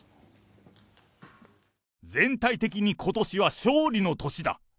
全体的にことしは勝利の年だ。